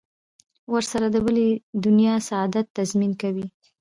ورسره د بلې دنیا سعادت تضمین کوي.